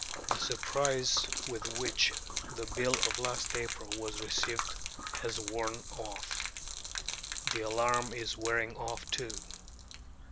The surprise with which the Bill of last April was received has worn off. The alarm is wearing off too.